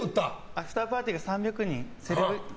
アフターパーティーは３００人。